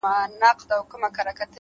علم د فکر د پراختیا بنسټ دی